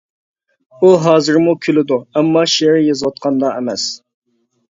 ئۇ ھازىرمۇ كۈلىدۇ، ئەمما شېئىر يېزىۋاتقاندا ئەمەس.